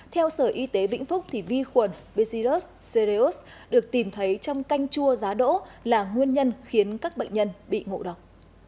theo sở y tế vĩnh phúc thì vi khuẩn bicidus cereus được tìm thấy trong canh chua giá đỗ là nguyên nhân khiến các bệnh nhân bị ngộ độc